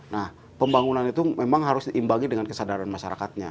nah pembangunan itu memang harus diimbangi dengan kesadaran masyarakatnya